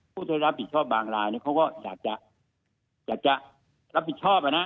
ผู้ที่รับผิดชอบบางรายเขาก็อยากจะรับผิดชอบ